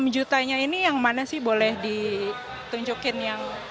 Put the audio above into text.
enam jutanya ini yang mana sih boleh ditunjukin yang